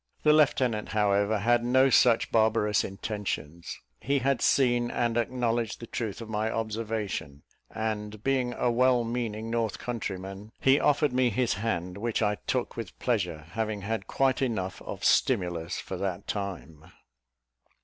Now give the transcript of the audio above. The lieutenant, however, had no such barbarous intentions; he had seen and acknowledged the truth of my observation, and, being a well meaning north countryman, he offered me his hand, which I took with pleasure, having had quite enough of stimulus for that time.